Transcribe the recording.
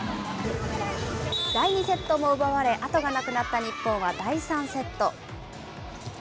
第２セットも奪われ、後がなくなった日本は第３セット。